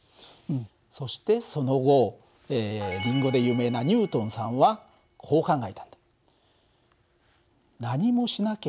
そしてその後リンゴで有名なニュートンさんはこう考えたんだ。